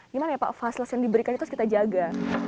gimana ya pak fasilitas yang diberikan itu harus kita jaga